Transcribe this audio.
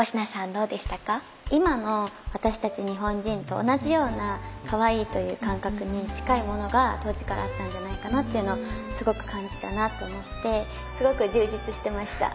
日本人と同じようなかわいいという感覚に近いものが当時からあったんじゃないかなっていうのをすごく感じたなと思ってすごく充実してました。